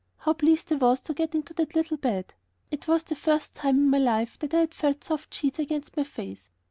How pleased I was to get into that little bed. It was the first time in my life that I had felt soft sheets against my face.